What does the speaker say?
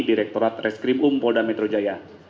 direktorat reskrim um polda metro jaya